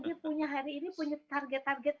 dia punya hari ini punya target target